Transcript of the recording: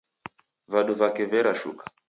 Vadu vake verashuka